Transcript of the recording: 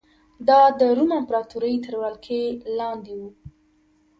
دا د روم امپراتورۍ تر ولکې لاندې و